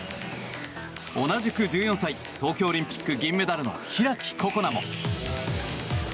同じく１４歳東京オリンピック銀メダルの開心那も。